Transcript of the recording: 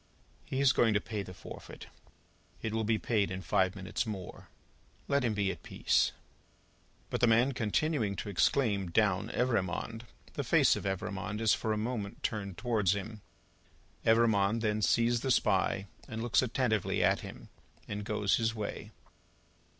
"He is going to pay the forfeit: it will be paid in five minutes more. Let him be at peace." But the man continuing to exclaim, "Down, Evrémonde!" the face of Evrémonde is for a moment turned towards him. Evrémonde then sees the Spy, and looks attentively at him, and goes his way.